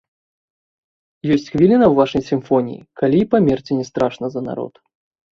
Ёсць хвіліна ў вашай сімфоніі, калі і памерці не страшна за народ.